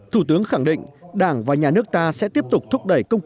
thủ tướng khẳng định đảng và nhà nước ta sẽ tiếp tục thúc đẩy công tác